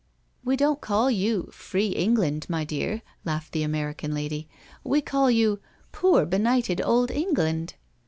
" We don't call you * free England,' my dear," laughed the American lady, " we call you ' poor be nighted old England.'